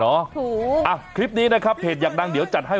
โอ้โหอ่ะคลิปนี้นะครับเพจอยากดังเดี๋ยวจัดให้